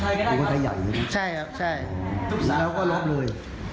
อยู่ไทยอย่างนี้ใช่ครับใช่แล้วก็ลบเลย